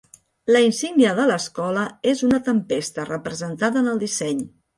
La insígnia de l'escola és una tempesta, representada en el disseny.